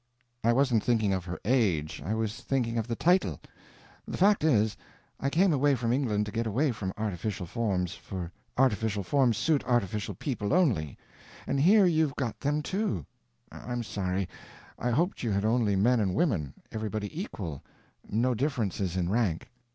"I wasn't thinking of her age, I was thinking of the title. The fact is, I came away from England to get away from artificial forms—for artificial forms suit artificial people only—and here you've got them too. I'm sorry. I hoped you had only men and women; everybody equal; no differences in rank."